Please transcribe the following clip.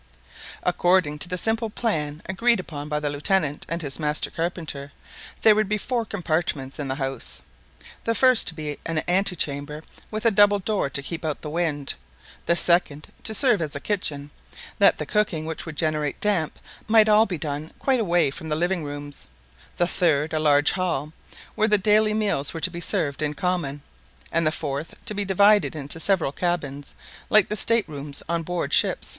According to the simple plan agreed upon by the Lieutenant and his master carpenter, there were to be four compartments in the house: the first to be an antechamber with a double door to keep out the wind; the second to serve as a kitchen, that the cooking which would generate damp, might be all done quite away from the living rooms; the third, a large hall, where the daily meals were to be served in common; and the fourth, to be divided into several cabins, like the state rooms on board ship.